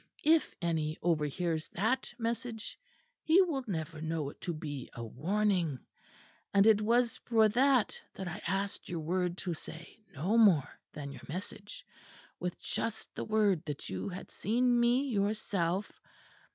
If any overhears that message, he will never know it to be a warning. And it was for that that I asked your word to say no more than your message, with just the word that you had seen me yourself.